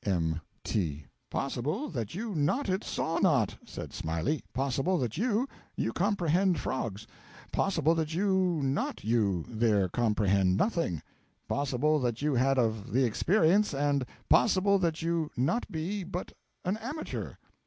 M.T.) 'Possible that you not it saw not,' said Smiley; 'possible that you you comprehend frogs; possible that you not you there comprehend nothing; possible that you had of the experience, and possible that you not be but an amateur.